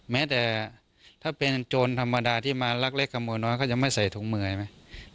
แม้แต่ถ้าเป็นโจรธรรมดาที่มารักเล็กขโมยน้อยเขาจะไม่ใส่ถุงมือใช่ไหม